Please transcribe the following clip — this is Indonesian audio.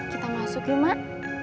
kita masuk yuk mak